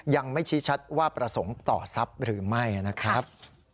ยังไม่ชี้ชัดว่าประสงค์ต่อทรัพย์หรือไม่นะครับ